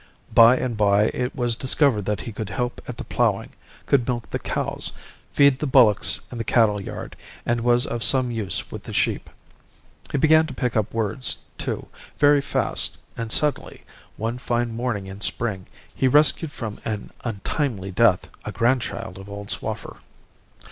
By and by it was discovered that he could help at the ploughing, could milk the cows, feed the bullocks in the cattle yard, and was of some use with the sheep. He began to pick up words, too, very fast; and suddenly, one fine morning in spring, he rescued from an untimely death a grand child of old Swaffer.